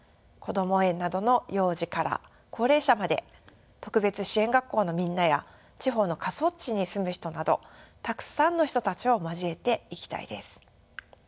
こども園などの幼児から高齢者まで特別支援学校のみんなや地方の過疎地に住む人などたくさんの人たちを交えていきたいです。